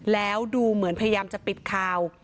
แล้วดูเหมือนพยายามจะปิดคาว